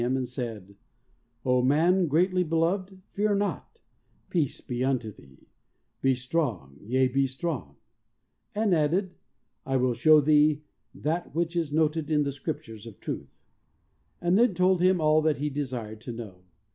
him and said: "O man, greatly beloved, fear not; peace be unto thee; be strong; yea, be strong;" and added, "I will show thee that which is noted in the Scriptures of truth," and then told him all that he desired to know.